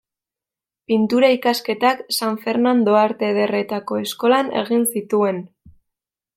Pintura ikasketak San Fernando Arte Ederretako Eskolan egin zituen.